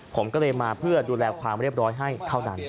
ผมก็เลยมาเพื่อดูแลความเรียบร้อยให้เท่านั้น